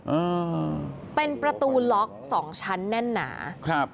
อืมเป็นประตูล็อกสองชั้นแน่นหนาครับ